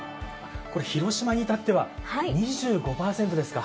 これ広島に至っては２５％ですか。